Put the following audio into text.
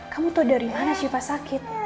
kamu tahu dari mana syifa sakit